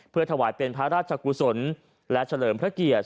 เพื่อถวายเป็นพระราชกุศลและเฉลิมพระเกียรติ